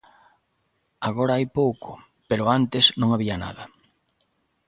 Agora hai pouco, pero antes non había nada.